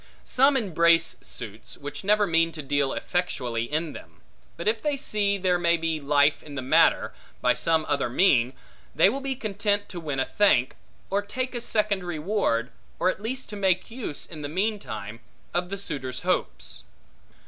Some embrace suits, which never mean to deal effectually in them; but if they see there may be life in the matter, by some other mean, they will be content to win a thank, or take a second reward, or at least to make use, in the meantime, of the suitor's hopes.